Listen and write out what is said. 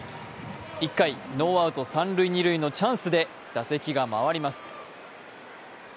１回、ノーアウト、三・二塁のチャンスで打席が回ります。